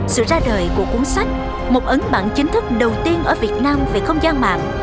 sự ra đời của cuốn sách một ấn bản chính thức đầu tiên ở việt nam về không gian mạng